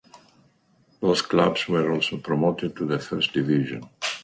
Both clubs were also promoted to the First Division.